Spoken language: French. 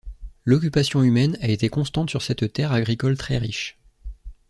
L'occupation humaine a été constante sur cette terre agricole très riche.